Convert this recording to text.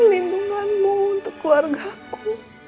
lindunganmu untuk keluarga ku